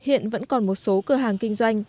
hiện vẫn còn một số cửa hàng kinh doanh